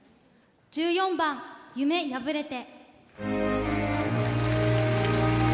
１４番「夢やぶれて」。